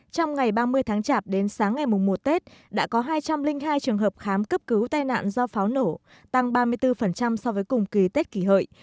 trong ngày ba mươi tháng chạp đến sáng ngày mùng một tết đã có hai trăm linh hai trường hợp khám cấp cứu tai nạn do pháo nổ tăng ba mươi bốn so với cùng kỳ tết kỷ hợi